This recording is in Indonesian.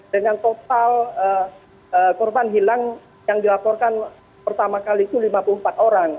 dengan total korban hilang yang dilaporkan pertama kali itu lima puluh empat orang